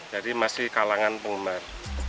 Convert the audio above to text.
jadi masih kalangan penggemar